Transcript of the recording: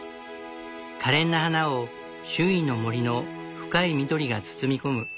可憐な花を周囲の森の深い緑が包み込む。